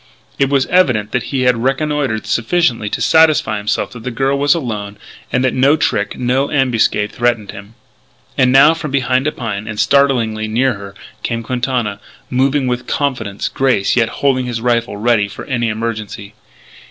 It was evident that he had reconnoitred sufficiently to satisfy himself that the girl was alone and that no trick, no ambuscade, threatened him. And now, from behind a pine, and startlingly near her, came Quintana, moving with confident grace yet holding his rifle ready for any emergency.